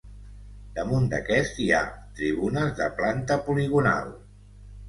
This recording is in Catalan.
Damunt d'aquest hi ha tribunes de planta poligonal.